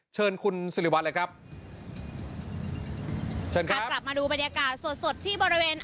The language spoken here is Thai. เชิญคุณสิริวัลเลยครับเชิญครับกลับมาดูบรรยากาศสดสดที่บริเวณ